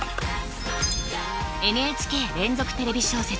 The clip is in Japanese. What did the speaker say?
ＮＨＫ連続テレビ小説